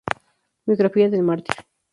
Biografía del mártir...".